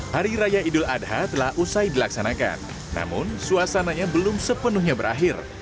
hari raya idul adha telah usai dilaksanakan namun suasananya belum sepenuhnya berakhir